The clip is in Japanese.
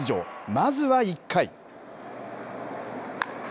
まずは１回。